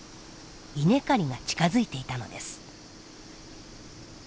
稲刈りが近づいていたのです。